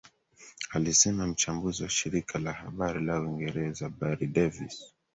Alisema mchambuzi wa shirika la habari la Uingereza Barry Davies